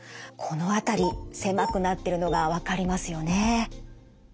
この辺り狭くなってるのが分かりますよね。